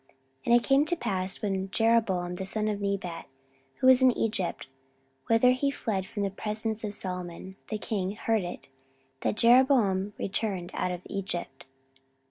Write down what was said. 14:010:002 And it came to pass, when Jeroboam the son of Nebat, who was in Egypt, whither he fled from the presence of Solomon the king, heard it, that Jeroboam returned out of Egypt.